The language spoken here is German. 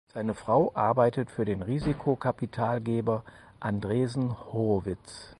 Seine Frau arbeitet für den Risikokapitalgeber Andreessen Horowitz.